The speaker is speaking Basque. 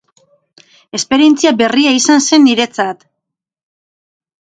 Esperientzia berria izan zen niretzat.